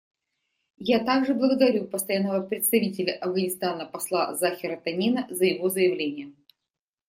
Я также благодарю Постоянного представителя Афганистана посла Захира Танина за его заявление.